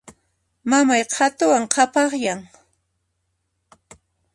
Mamay qhatuwan qhapaqyan.